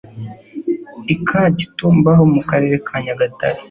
i Kagitumba ho mu Karere ka Nyagatare.